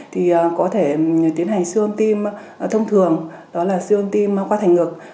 thì có thể tiến hành siêu âm tim thông thường đó là siêu âm tim khoa thành ngực